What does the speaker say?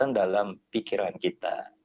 kepenatan dalam pikiran kita